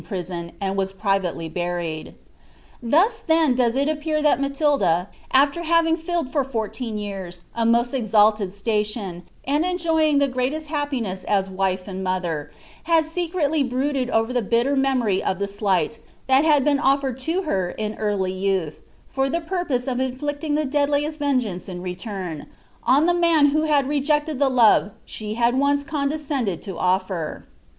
prison and was privately buried.' Thus, then, does it appear that Matilda, after having filled for fourteen years a most exalted station, and enjoying the greatest happiness as a wife and mother, had secretly brooded over the bitter memory of the slight that had been ofkred to her in early youth, for the purpose of inflicting the deadliest vengeance in return, on the man who had rejected the love she had once condescended to ofier.